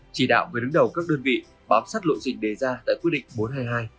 chỉ đạo người đứng đầu các đơn vị bám sát lộ dịch đề ra tại quyết định bốn trăm hai mươi hai